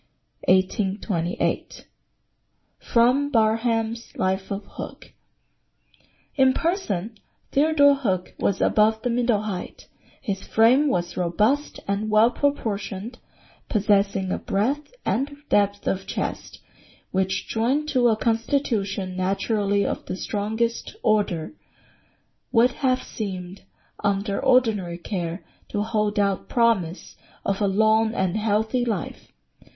1828. [Sidenote: Barham's Life of Hook.] "In person Theodore Hook was above the middle height, his frame was robust and well proportioned, possessing a breadth and depth of chest which, joined to a constitution naturally of the strongest order, would have seemed, under ordinary care, to hold out promise of a long and healthy life.